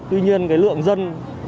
tuy nhiên cái lượng dân